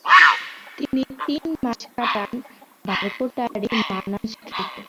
তিনি তিন মাস কাটান ভার্কোটারি মনাস্ট্রিতে।